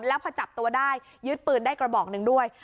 แล้วพอจับตัวได้ยึดปืนได้กระบอกหนึ่งด้วย